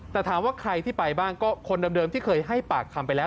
แต่ถามว่าใครที่ไปบ้างก็คนเดิมที่เคยให้ปากคำไปแล้ว